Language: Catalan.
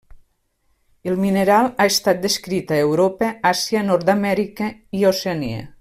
El mineral ha estat descrit a Europa, Àsia, Nord-amèrica i Oceania.